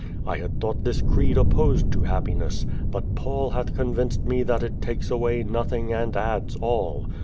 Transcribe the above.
I had thought this creed opposed to happiness. But Paul hath convinced me that it takes away nothing and adds all.